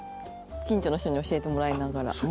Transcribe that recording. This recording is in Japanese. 近所の人に教えてもらいながら。